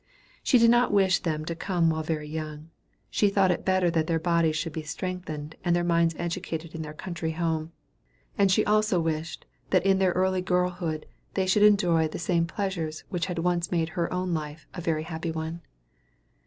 She did not wish them to come while very young. She thought it better that their bodies should be strengthened, and their minds educated in their country home; and she also wished, that in their early girlhood they should enjoy the same pleasures which had once made her own life a very happy one.